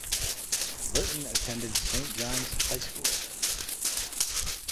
Burton attended Saint John's High School.